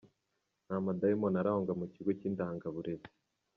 Nta madayimoni arangwa mukigo cy’Indangaburezi